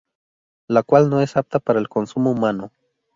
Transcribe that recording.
La cual no es apta para el consumo humano.